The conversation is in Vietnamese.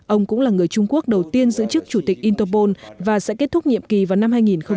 ông cũng là người trung quốc đầu tiên giữ chức chủ tịch interpol và sẽ kết thúc nhiệm kỳ vào năm hai nghìn hai mươi